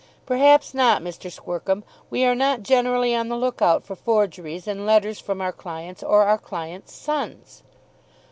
"Perhaps not, Mr. Squercum. We are not generally on the lookout for forgeries in letters from our clients or our clients' sons."